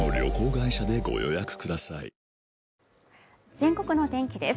全国のお天気です。